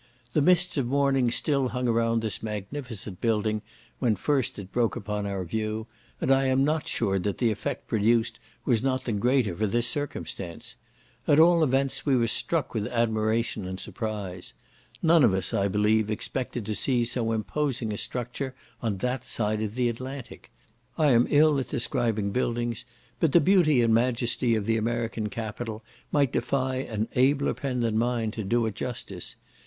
The mists of morning still hung around this magnificent building when first it broke upon our view, and I am not sure that the effect produced was not the greater for this circumstance. At all events, we were struck with admiration and surprise. None of us, I believe, expected to see so imposing a structure on that side of the Atlantic. I am ill at describing buildings, but the beauty and majesty of the American capitol might defy an abler pen than mine to do it justice.